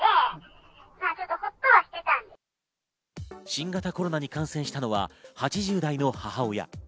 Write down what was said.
新型コロナに感染したのは８０代の母親。